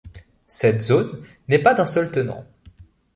Cette zone n'est pas d'un seul tenant.